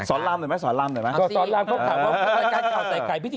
สอนลามได้ไหมสอนลามได้ไหม